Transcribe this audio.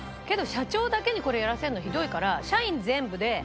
社長だけにこれやらせるのひどいから。